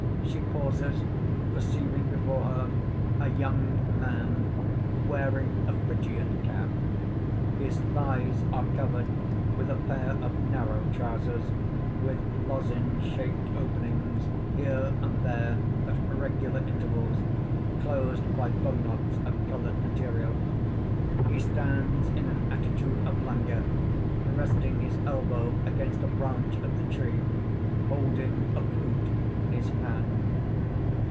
_ _She pauses, perceiving before her a Young Man wearing a Phrygian cap. His thighs are covered with a pair of narrow trousers, with lozenge shaped openings here and there at regular intervals, closed by bow knots of coloured material. He stands in an attitude of languor, resting his elbow against a branch of the tree, holding a flute in his hand.